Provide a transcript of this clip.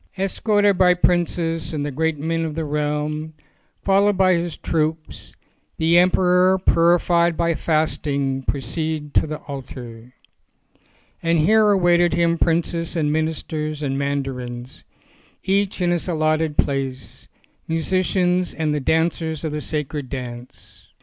Es corted by princes and the great men of the realm, followed by his troops, the emperor purified by fasting proceeded to the altar. And here awaited him princes and ministers and mandarins, each in his allotted place, musicians and the dancers of the sacred dance.